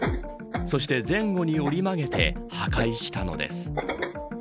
そして前後に折り曲げて破壊したのです。